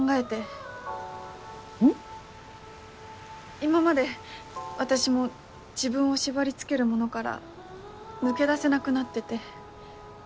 今まで私も自分を縛り付けるものから抜け出せなくなってて。